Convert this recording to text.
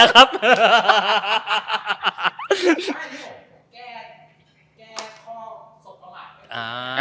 ก็ได้ข้อส่งตลาด